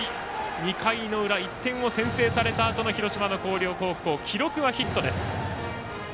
２回の裏１点を先制されたあとの広島の広陵高校記録はヒットです。